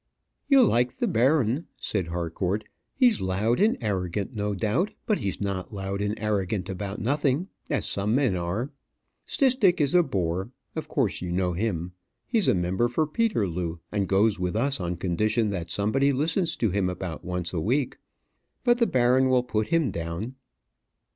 "You'll like the baron," said Harcourt; "he's loud and arrogant, no doubt; but he's not loud and arrogant about nothing, as some men are. Stistick is a bore. Of course you know him. He's member for Peterloo, and goes with us on condition that somebody listens to him about once a week. But the baron will put him down."